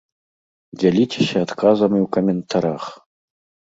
Дзяліцеся адказамі ў каментарах!